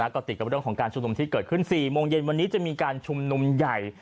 ก็ติดกับเรื่องของการชุมนุมที่เกิดขึ้น๔โมงเย็นวันนี้จะมีการชุมนุมใหญ่